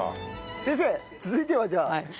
先生続いてはじゃあ。